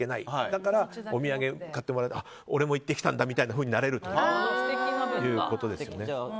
だからお土産買ってもらって俺も行ってきたんだというふうになれるということですよね。